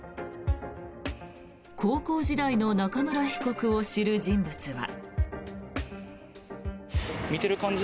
高校時代の中村被告を知る人物は。